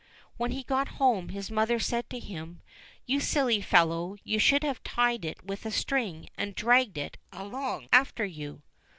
When he got home, his mother said to him, "You silly ' fellow, you should have tied it with a string, and dragged it j along after you."